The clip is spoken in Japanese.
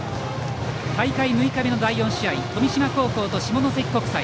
大会６日目の第４試合富島高校と下関国際。